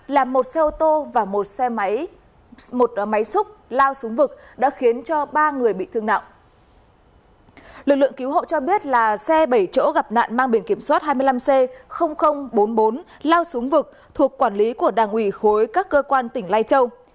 lực lượng lao xuống vực cứu hộ cho biết là xe bảy chỗ gặp nạn mang biển kiểm soát hai mươi năm c bốn mươi bốn lao xuống vực thuộc quản lý của đảng ủy khối các cơ quan tỉnh lai châu